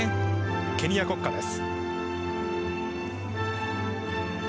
ケニア国歌です。